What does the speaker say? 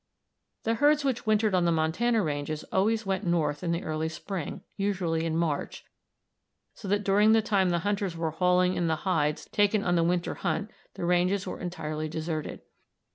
The herds which wintered on the Montana ranges always went north in the early spring, usually in March, so that during the time the hunters were hauling in the hides taken on the winter hunt the ranges were entirely deserted.